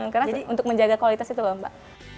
karena untuk menjaga kualitas itu lho mbak